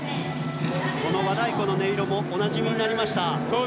この和太鼓の音色もおなじみになりました。